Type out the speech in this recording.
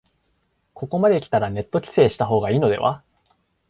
ここまできたらネット規制した方がいいのでは